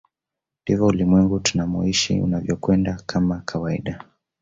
Ndivyo ulimwengu tunamoishi unavyokwenda kama kawaida